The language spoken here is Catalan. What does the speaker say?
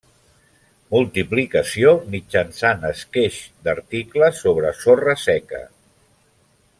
Multiplicació mitjançant esqueix d'article sobre sorra seca.